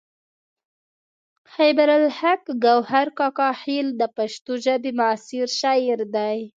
خیبر الحق ګوهر کاکا خیل د پښتو ژبې معاصر شاعر دی.